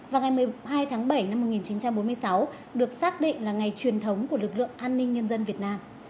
và ngày một mươi hai tháng bảy năm một nghìn chín trăm bốn mươi sáu được xác định là ngày truyền thống của lực lượng an ninh nhân dân việt nam